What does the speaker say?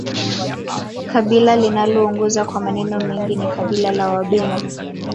kabila linaloongoza kwa maneno mengi ni kabila la wabena